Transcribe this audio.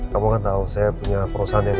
kamu kan tahu saya punya perusahaan yang